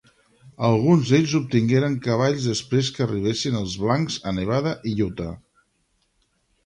Alguns d'ells obtingueren cavalls després que arribessin els blancs a Nevada i Utah.